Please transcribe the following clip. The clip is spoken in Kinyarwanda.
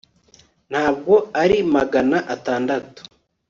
Ntabwo ari magana atandatu